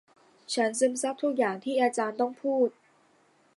ฉันซึมซับทุกอย่างที่อาจารย์ต้องพูด